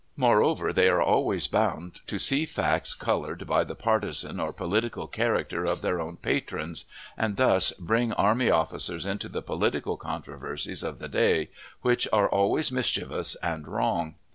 Moreover, they are always bound to see facts colored by the partisan or political character of their own patrons, and thus bring army officers into the political controversies of the day, which are always mischievous and wrong.